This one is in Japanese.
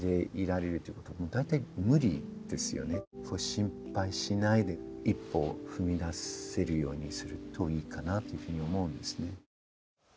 心配しないで一歩踏み出せるようにするといいかなというふうに思うんですね。